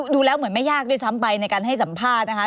ดูแล้วเหมือนไม่ยากด้วยซ้ำไปในการให้สัมภาษณ์นะคะ